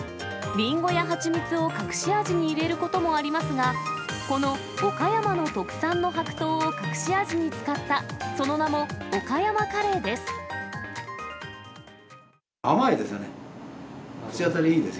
りんごや蜂蜜を隠し味に入れることもありますが、この岡山の特産の白桃を隠し味に使った、その名も岡山カレーです。